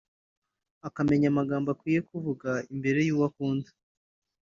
akamenya amagambo akwiye kuvuga imbere y’uwo akunda